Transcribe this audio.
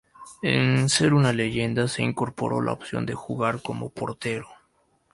En Ser una Leyenda se incorporó la opción de jugar como portero.